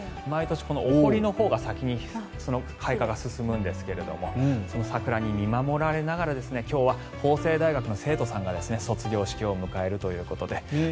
毎年、お堀のほうが先に開花が進むんですけれどもその桜に見守られながら今日は法政大学の生徒さんが卒業式を迎えるということで。